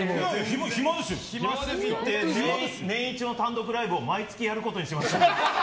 暇すぎて年一の単独ライブを毎月やることにしました。